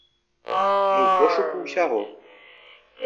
Мы ў пошуку ўсяго.